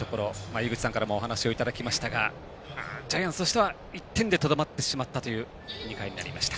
井口さんからもお話をいただきましたがジャイアンツとしては１点にとどまってしまったという２回になりました。